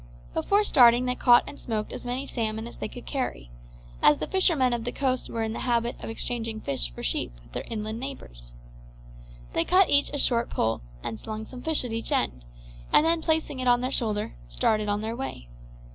Before starting they caught and smoked as many salmon as they could carry, as the fishermen of the coast were in the habit of exchanging fish for sheep with their inland neighbours. They cut each a short pole, and slung some fish at each end, and then placing it on their shoulder, started on their way.